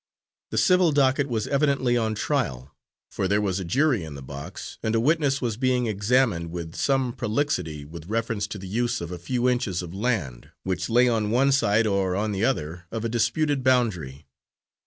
The civil docket was evidently on trial, for there was a jury in the box, and a witness was being examined with some prolixity with reference to the use of a few inches of land which lay on one side or on the other of a disputed boundary.